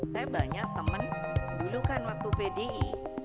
saya banyak temen dulu kan waktu pdi